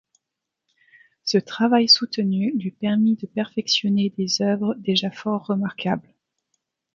Ce travail soutenu lui permit de perfectionner des œuvres déjà fort remarquables.